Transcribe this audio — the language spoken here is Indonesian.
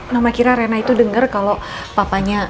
nama kira rena itu dengar kalau papanya